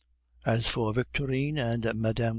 As for Victorine and Mme.